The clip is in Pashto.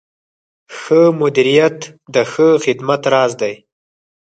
ښه مدیریت د ښه خدمت راز دی.